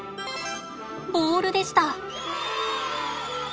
ボールでした。